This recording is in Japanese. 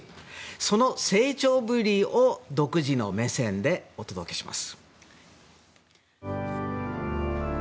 その成長ぶりを独自の目線でお届けします。